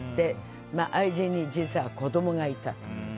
愛人に、実は子供がいたとか。